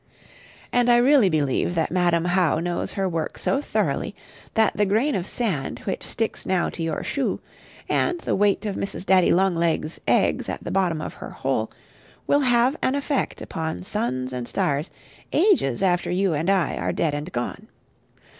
And I really believe that Madam How knows her work so thoroughly, that the grain of sand which sticks now to your shoe, and the weight of Mrs. Daddy long legs' eggs at the bottom of her hole, will have an effect upon suns and stars ages after you and I are dead and gone.